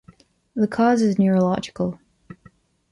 The cause is neurological.